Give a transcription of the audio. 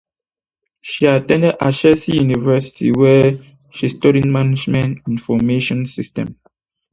She attended Ashesi University where she studied Management Information System.